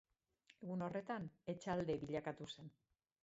Egun horretan etxalde bilakatu zen.